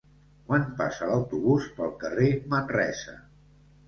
Quan passa l'autobús pel carrer Manresa?